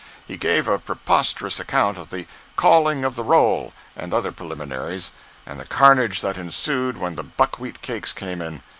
He gave a preposterous account of the "calling of the roll," and other preliminaries, and the carnage that ensued when the buckwheat cakes came in.